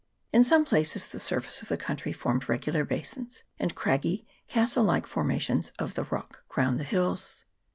In some places the surface of the country formed re gular basins, and craggy castle like formations of the rock crowned the hills.